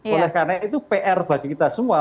oleh karena itu pr bagi kita semua